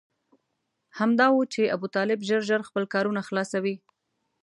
همدا و چې ابوطالب ژر ژر خپل کارونه خلاصوي.